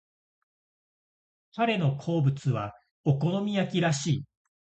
彼の好物はお好み焼きらしい。